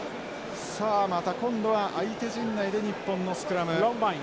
また今度は相手陣内で日本のスクラム。